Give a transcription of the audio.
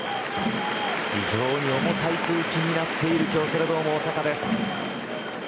非常に重たい空気になっている京セラドーム大阪です。